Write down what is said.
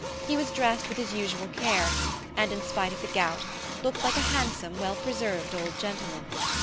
He was dressed with his usual care and, in spite of the gout, looked like a handsome, well preserved old gentleman.